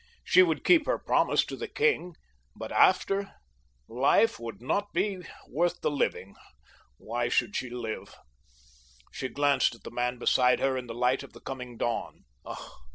She would keep her promise to the king; but after—life would not be worth the living; why should she live? She glanced at the man beside her in the light of the coming dawn.